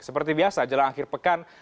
seperti biasa jelang akhir pekan